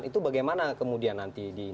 itu bagaimana kemudian nanti di